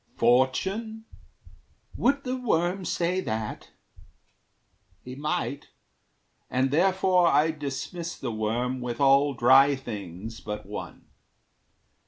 Fortune? Would the worm say that? He might; and therefore I dismiss the worm With all dry things but one.